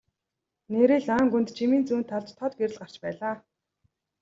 Нээрээ л ойн гүнд жимийн зүүн талд тод гэрэл гарч байлаа.